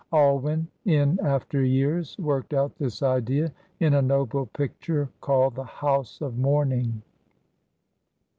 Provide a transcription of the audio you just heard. Alwyn in after years worked out this idea in a noble picture called the "House of Mourning."